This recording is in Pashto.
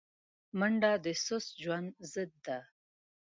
منډه د سست ژوند ضد ده